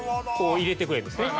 入れてくれるんですね。